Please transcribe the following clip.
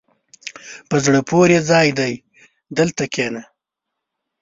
په زړه پورې ځای دی، دلته کښېنه.